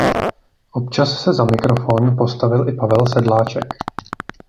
Občas se za mikrofon postavil i Pavel Sedláček.